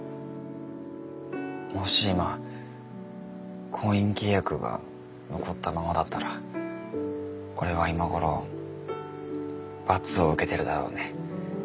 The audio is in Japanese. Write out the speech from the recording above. もし今婚姻契約が残ったままだったら俺は今頃罰を受けてるだろうね。